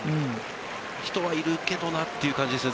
人はいるけれどなっていう感じですよ。